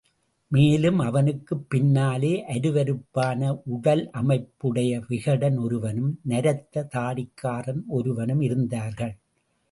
மேலும் அவனுக்குப் பின்னாலே அருவருப்பான உடலமைப்புடைய விகடன் ஒருவனும், நரைத்த தாடிக்காரன் ஒருவனும் இருந்தார்கள்.